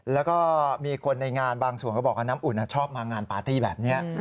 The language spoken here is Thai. แล้วก็มีคนในงานบางส่วนก็บอกว่าน้ำอุ่นชอบมางานปาร์ตี้แบบนี้